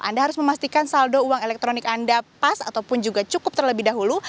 anda harus memastikan saldo uang elektronik anda pas ataupun juga cukup terlebih dahulu